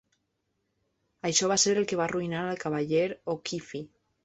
Això va ser el que va arruïnar al Cavaller O'Keefe.